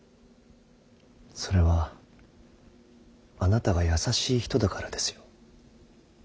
それはあなたが優しい人だからですよ。